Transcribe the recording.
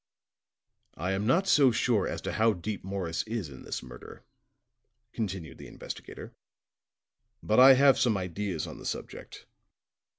"I am not so sure as to how deep Morris is in this murder," continued the investigator, "but I have some ideas on the subject.